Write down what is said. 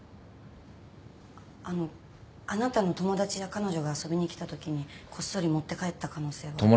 あのあなたの友達や彼女が遊びに来たときにこっそり持って帰った可能性は。